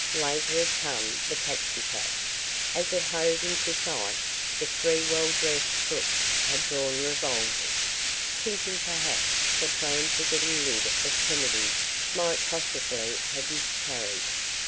Later had come the taxicab. As it hove into sight, the three well dressed crooks had drawn revolvers, thinking perhaps the plan for getting rid of Kennedy might possibly have miscarried.